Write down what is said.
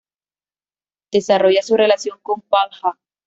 Desarrolla su relación con Pal Ja.